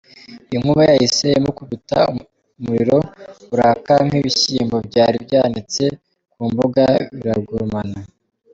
Inkuba yahise imukubita umuriro uraka n’ibishyimbo byari byanitse ku mbuga biragurumana.